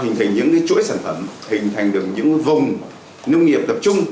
hình thành được những vùng